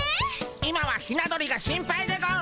今はヒナ鳥が心配でゴンス。